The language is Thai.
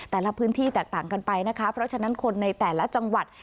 แต่ละพื้นที่แตกต่างกันไปนะคะเพราะฉะนั้นคนในแต่ละจังหวัด